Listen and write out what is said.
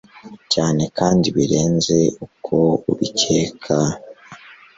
cyane kandi birenze uko ubikeka